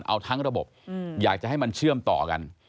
เอาทั้งระบบอยากจะให้มันเชื่อมต่อกัน